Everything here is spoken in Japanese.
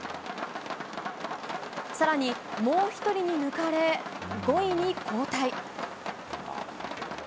更に、もう１人に抜かれ５位に後退。